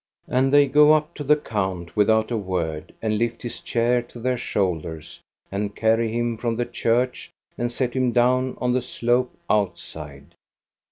And they go up to the count without a word, and lift his chair to their shoulders and carry him from the church and set him down on the slope outside.